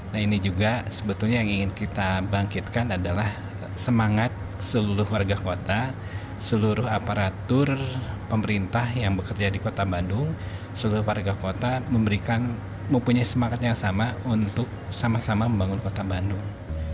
nah ini juga sebetulnya yang ingin kita bangkitkan adalah semangat seluruh warga kota seluruh aparatur pemerintah yang bekerja di kota bandung seluruh warga kota memberikan mempunyai semangat yang sama untuk sama sama membangun kota bandung